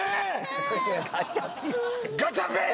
ガチャピン！